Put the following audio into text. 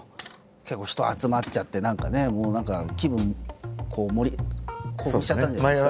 結構人集まっちゃって何かねもう何か気分興奮しちゃったんじゃないですか。